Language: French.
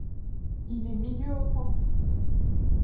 Il est milieu offensif.